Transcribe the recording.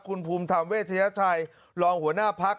คุณภูมิธรรมเวชยชัยรองหัวหน้าพัก